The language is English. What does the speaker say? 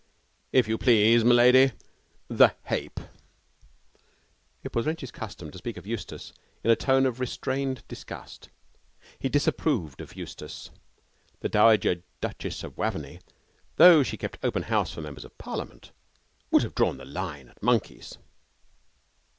'If you please, m'lady the hape!' It was Wrench's custom to speak of Eustace in a tone of restrained disgust. He disapproved of Eustace. The Dowager Duchess of Waveney, though she kept open house for members of Parliament, would have drawn the line at monkeys.